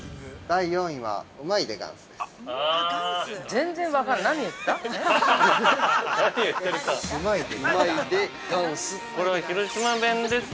第４位は「うまいでがんす」です。